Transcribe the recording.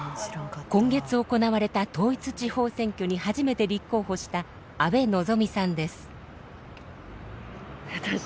今月行われた統一地方選挙に初めて立候補した阿部希さんです。